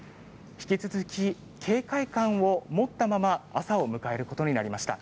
引き続き、警戒感を持ったまま朝を迎えることになりました。